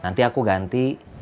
nanti aku ganti